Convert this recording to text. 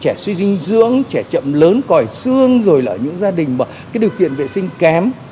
trẻ suy dinh dưỡng trẻ chậm lớn còi xương rồi là ở những gia đình mà cái điều kiện vệ sinh kém